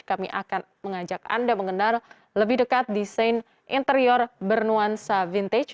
kami akan mengajak anda mengenal lebih dekat desain interior bernuansa vintage